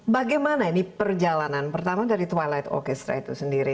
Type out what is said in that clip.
bagaimana ini perjalanan pertama dari toilet orchestra itu sendiri